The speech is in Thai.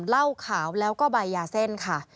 เหล้าขาวแล้วก็ใบยาเส้นค่ะ